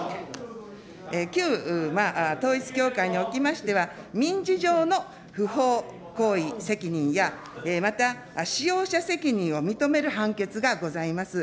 旧統一教会におきましては、民事上の不法行為責任や、また使用者責任を認める判決がございます。